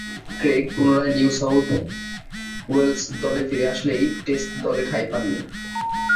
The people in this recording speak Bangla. ক্রেগ পুনরায় নিউ সাউথ ওয়েলস দলে ফিরে আসলেও টেস্ট দলে ঠাঁই পাননি।